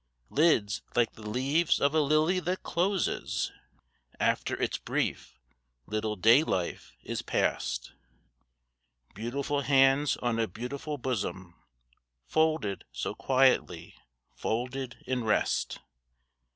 Lids like the leaves of a lily that closes After its brief little day life is past. Beautiful hands on a beautiful bosom, Folded so quietly, folded in rest.